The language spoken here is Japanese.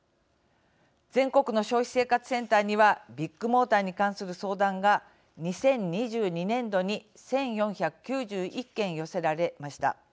全国の消費生活センターにはビッグモーターに関する相談が２０２２年度に１４９１件寄せられました。